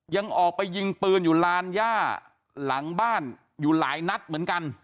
ยังออกไปยิงปืนอยู่ลานย่าหลังบ้านอยู่หลายนัดเหมือนกัน